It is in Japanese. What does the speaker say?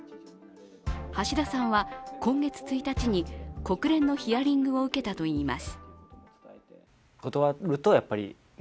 橋田さんは今月１日に国連のヒアリングを受けたといいます。